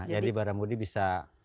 jadi baramundi bisa